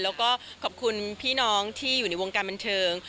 แล้วก็ขอบคุณพี่น้องที่อยู่ในวงการบันเทิง